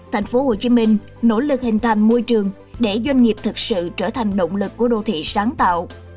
thành phố hồ chí minh nỗ lực hình thành môi trường để doanh nghiệp thực sự trở thành động lực của đô thị sáng tạo